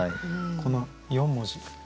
この４文字。